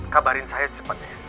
kabarin saya sempet